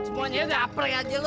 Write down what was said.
jadi rasa ceritanya